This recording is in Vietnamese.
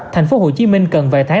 thành phố hồ chí minh cần vài tháng